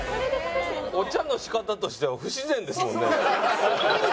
お茶の仕方としては不自然ですもんね。